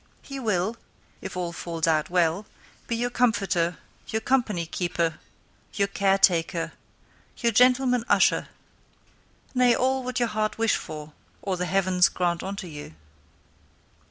He will (if all falls out well) be your comforter, your company keeper, your care taker, your Gentleman Usher; nay all what your heart wish for, or the Heavens grant unto you.